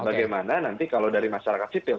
bagaimana nanti kalau dari masyarakat sipil